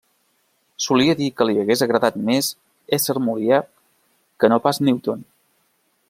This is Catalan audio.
Solia dir que li hagués agradat més ésser Molière que no pas Newton.